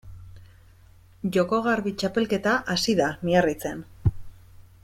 Joko Garbi txapelketa hasi da Miarritzen.